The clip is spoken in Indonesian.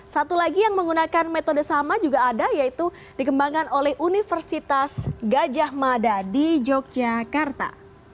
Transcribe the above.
satu lagi yang menggunakan metode sama juga ada yaitu dikembangkan oleh universitas gajah mada di yogyakarta